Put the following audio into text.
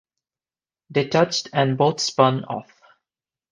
They touched, and both spun off.